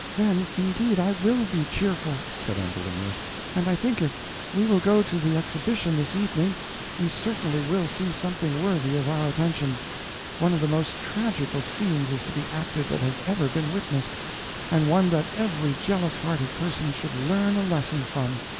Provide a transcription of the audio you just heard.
"Then, indeed, I will be cheerful," said Ambulinia, "and I think if we will go to the exhibition this evening, we certainly will see something worthy of our attention. One of the most tragical scenes is to be acted that has ever been witnessed, and one that every jealous hearted person should learn a lesson from.